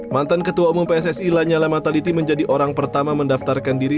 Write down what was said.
mantan ketua umum pssi lanyala mataliti menjadi orang pertama mendaftarkan diri